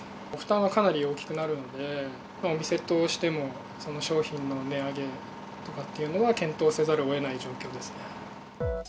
負担はかなり大きくなるんで、お店としても商品の値上げとかっていうのは検討せざるをえない状況ですね。